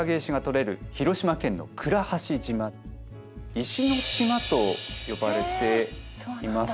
石の島と呼ばれています。